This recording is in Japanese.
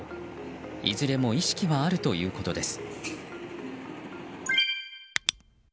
いずれも意識はあるということです。